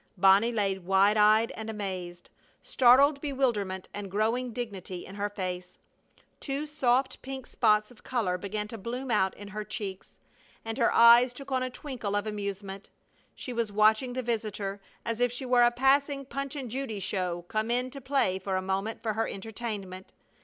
Bonnie lay wide eyed and amazed, startled bewilderment and growing dignity in her face. Two soft, pink spots of color began to bloom out in her cheeks, and her eyes took on a twinkle of amusement. She was watching the visitor as if she were a passing Punch and Judy show come in to play for a moment for her entertainment.